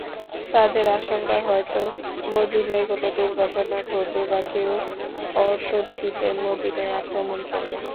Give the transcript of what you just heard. তাদের আশঙ্কা, হয়তো মদীনায় কোন দুর্ঘটনা ঘটবে বা কেউ অতর্কিতে মদীনায় আক্রমণ করবে।